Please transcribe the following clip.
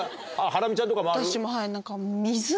ハラミちゃんとかもある？